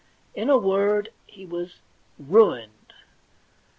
In a word, he was ruined.